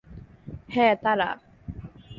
হ্যাঁ, তারা।